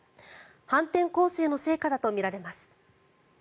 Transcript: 反転攻勢の成果だとみられます。